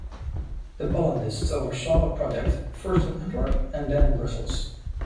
The Bollandists oversaw the project, first in Antwerp and then in Brussels.